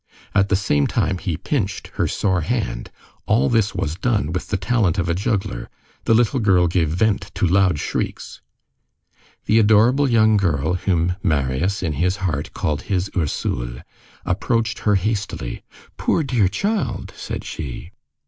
At the same time he pinched her sore hand. All this was done with the talent of a juggler. The little girl gave vent to loud shrieks. The adorable young girl, whom Marius, in his heart, called "his Ursule," approached her hastily. "Poor, dear child!" said she.